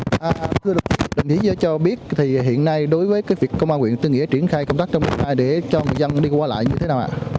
thưa đồng chí đồng chí đã cho biết thì hiện nay đối với việc công an huyện tư nghĩa triển khai công tác trong nước này để cho người dân đi qua lại như thế nào ạ